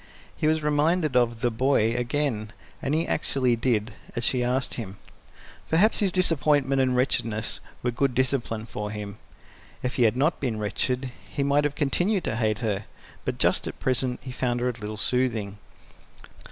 He was reminded of "the boy" again, and he actually did as she asked him. Perhaps his disappointment and wretchedness were good discipline for him; if he had not been wretched he might have continued to hate her, but just at present he found her a little soothing.